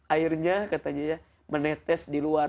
airnya katanya ya menetes di luar